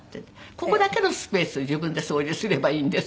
ここだけのスペースを自分で掃除すればいいんです。